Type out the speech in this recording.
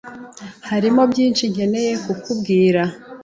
Hariho byinshi nkeneye kukubwira.